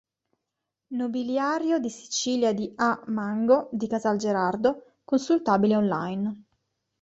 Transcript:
Nobiliario di Sicilia di A. Mango di Casalgerardo, consultabile online.